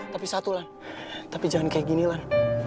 tapi satu lan tapi jangan kayak gini lan